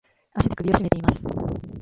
足で首をしめています。